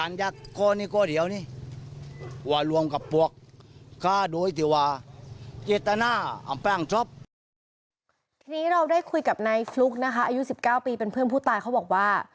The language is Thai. อายุ๑๙ปีเป็นเพื่อนผู้ตายเขาบอกว่า